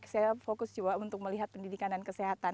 saya fokus juga untuk melihat pendidikan dan kesehatan